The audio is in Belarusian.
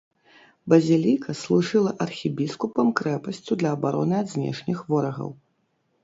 Базіліка служыла архібіскупам крэпасцю для абароны ад знешніх ворагаў.